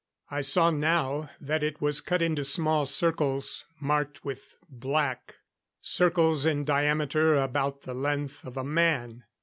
I saw now that it was cut into small circles marked with black circles in diameter about the length of a man.